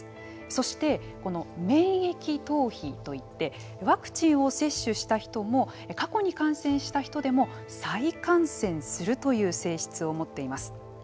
そして、免疫逃避といってワクチンを接種した人も過去に感染した人でも再感染するという性質を持っています。